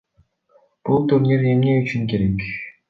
Бул турнир эмне үчүн керек?